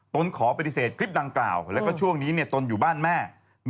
ตนขอปฏิเสธคลิปดังกล่าวแล้วก็ช่วงนี้ตนอยู่บ้านแม่